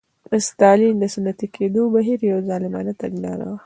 د ستالین د صنعتي کېدو بهیر یوه ظالمانه تګلاره وه